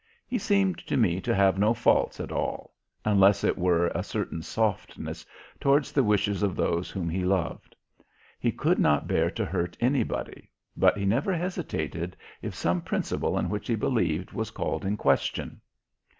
He seemed to me to have no faults at all unless it were a certain softness towards the wishes of those whom he loved. He could not bear to hurt anybody, but he never hesitated if some principle in which he believed was called in question.